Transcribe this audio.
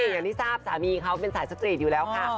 อย่างที่ทราบสามีเขาเป็นสายสตรีทอยู่แล้วค่ะ